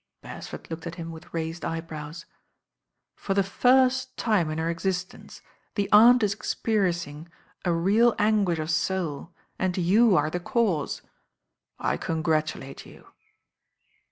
Beresford looked at him with raised eyebrows. "For the first time in her existence the aunt is experiencing real anguish of soul, and you are the cause. I congratulate you."